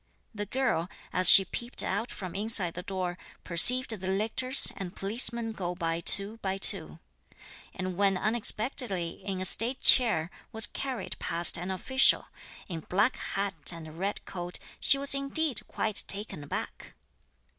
The girl, as she peeped out from inside the door, perceived the lictors and policemen go by two by two; and when unexpectedly in a state chair, was carried past an official, in black hat and red coat, she was indeed quite taken aback.